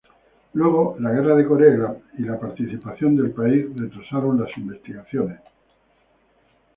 Luego, la Guerra de Corea y la partición del país retrasaron las investigaciones.